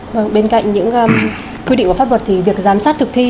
vâng bên cạnh những quy định của pháp luật thì việc giám sát thực thi